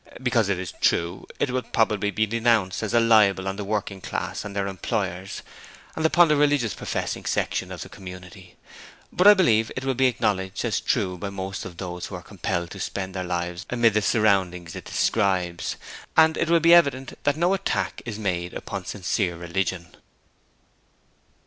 Because it is true it will probably be denounced as a libel on the working classes and their employers, and upon the religious professing section of the community. But I believe it will be acknowledged as true by most of those who are compelled to spend their lives amid the surroundings it describes, and it will be evident that no attack is made upon sincere religion.